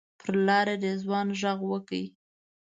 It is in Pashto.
پر لاره رضوان غږ وکړ.